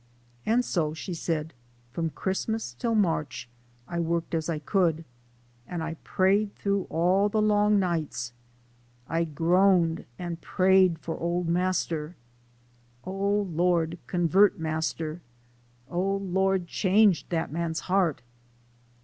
" And so," she said, " from Christmas till March I worked as I could, and I prayed through all the long nights I groaned and prayed for ole master :' Oh Lord, convert master !' 'Oh Lord, change dat man's heart!'